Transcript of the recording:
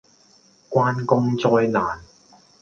關公災難